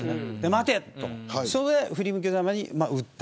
待てとそこで振り向きざまに撃った。